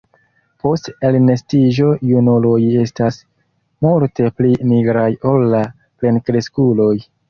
Post elnestiĝo junuloj estas multe pli nigraj ol la plenkreskuloj.